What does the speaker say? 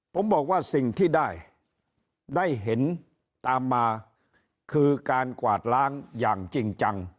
ผมบอกว่าสิ่งที่ได้ได้เห็นตามมาคือการกวาดล้างอย่างจริงจัง